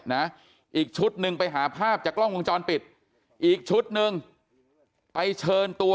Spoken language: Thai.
อีกชุดหนึ่งไปหาภาพจากกล้องวงจรปิดอีกชุดหนึ่งไปเชิญตัว